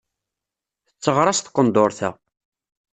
Tetteɣraṣ tqendurt-a.